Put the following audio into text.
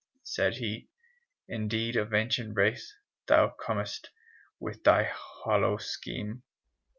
Said he. "Indeed of ancient race Thou comest, with thy hollow scheme.